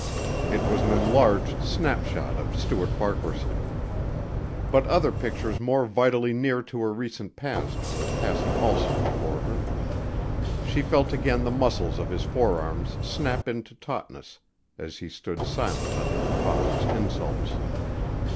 It was an enlarged snapshot of Stuart Farquaharson. But other pictures more vitally near to her recent past were passing also before her. She felt again the muscles of his forearms snap into tautness as he stood silent under her father's insults.